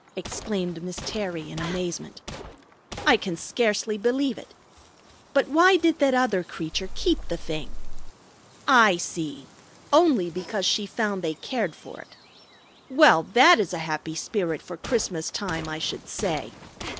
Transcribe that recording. exclaimed Miss Terry in amazement. "I can scarcely believe it. But why did that other creature keep the thing? I see! Only because she found they cared for it. Well, that is a happy spirit for Christmas time, I should say!